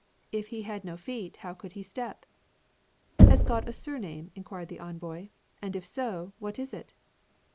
If He had no feet, how could He step ?" "Has God a surname ?" enquired the envoy. " And if so, what is it